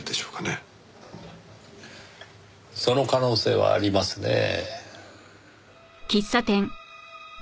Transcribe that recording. その可能性はありますねぇ。